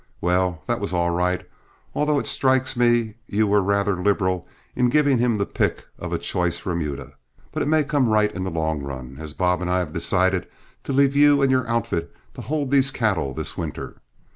Well, that was all right, although it strikes me you were rather liberal in giving him the pick of a choice remuda. But it may all come right in the long run, as Bob and I have decided to leave you and your outfit to hold these cattle this winter.